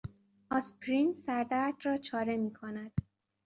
آسپرین سردرد را چاره میکند.